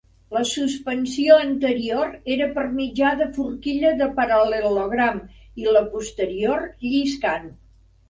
La suspensió anterior era per mitjà de forquilla de paral·lelogram i la posterior, lliscant.